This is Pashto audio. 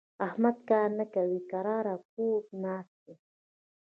احمد کار نه کوي؛ کرار کور ناست دی.